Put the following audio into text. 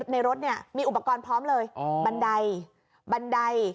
ในรถเนี่ยมีอุปกรณ์พร้อมเลยบันไดบันได